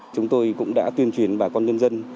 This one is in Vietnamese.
chúng tôi cũng đã tuyên truyền bà con nhân dân